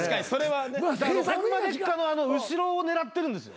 『ホンマでっか！？』の後ろを狙ってるんですよ。